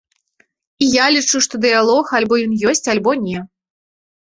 І я лічу, што дыялог альбо ён ёсць, альбо не.